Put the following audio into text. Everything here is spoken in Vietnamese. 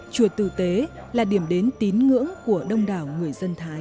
chùa tử tế là điểm đến tín ngưỡng của đông đảo người dân thái